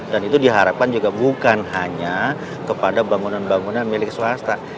dan itu diharapkan juga bukan hanya kepada bangunan bangunan milik swasta